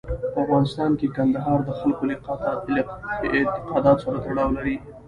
په افغانستان کې کندهار د خلکو له اعتقاداتو سره تړاو لري.